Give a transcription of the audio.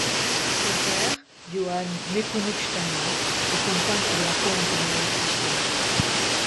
Son père, Johann Nepomuk Steiner, est un peintre de la cour impériale autrichienne.